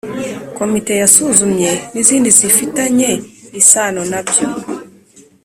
komite yasuzumye n'izindi zifitanye isano nabyo